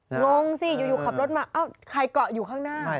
ง้วงจิลุขับรถมันใครเกาะอยู่ข้างน้า